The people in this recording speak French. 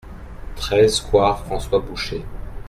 treize square François Boucher